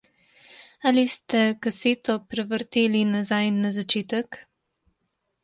Ali ste kaseto prevrteli nazaj na začetek?